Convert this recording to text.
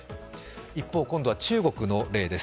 一方、今度は中国の例です。